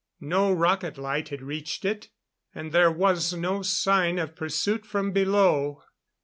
No rocket light had reached it; and there was no sign of pursuit from below.